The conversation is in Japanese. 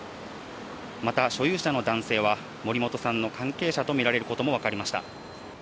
また所有者の男性は、森本さんの関係者と見られることも分かりました。